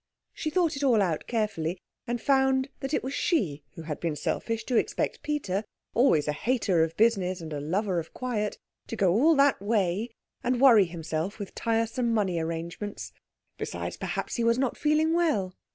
She thought it all out carefully, and found that it was she who had been selfish to expect Peter, always a hater of business and a lover of quiet, to go all that way and worry himself with tiresome money arrangements. Besides, perhaps he was not feeling well.